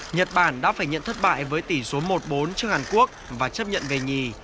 nhật bản đã phải nhận thất bại với tỷ số một bốn trước hàn quốc và chấp nhận về nhì